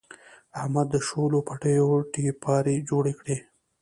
احمد د شولو پټیو تپیاري جوړې کړې.